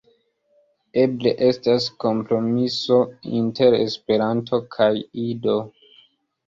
Eble estas kompromiso inter Esperanto kaj Ido.